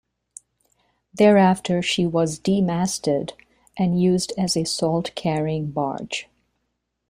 Thereafter she was demasted and used as a salt-carrying barge.